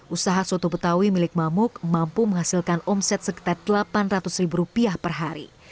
usaha soto betawi milik mamuk mampu menghasilkan omset sekitar delapan ratus ribu rupiah per hari